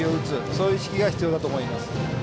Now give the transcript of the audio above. そういう意識が必要だと思います。